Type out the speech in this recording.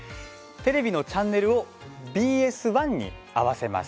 テレビのチャンネルをＢＳ１に合わせます。